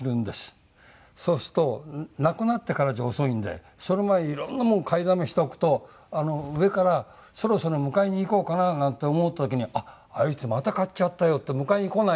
そうするとなくなってからじゃ遅いのでその前にいろんなものを買いだめしておくと上からそろそろ迎えに行こうかななんて思う時にあいつまた買っちゃったよって迎えに来ないように。